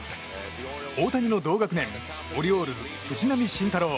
大谷の同学年オリオールズ、藤浪晋太郎。